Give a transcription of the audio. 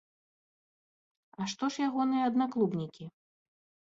А што ж ягоныя аднаклубнікі?